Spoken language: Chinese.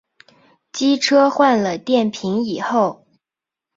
机车换了电瓶以后